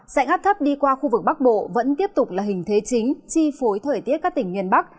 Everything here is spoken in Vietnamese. sạch áp thấp đi qua khu vực bắc bộ vẫn tiếp tục là hình thế chính chi phối thời tiết các tỉnh miền bắc